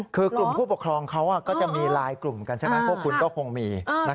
คือกลุ่มผู้ปกครองเขาก็จะมีไลน์กลุ่มกันใช่ไหมพวกคุณก็คงมี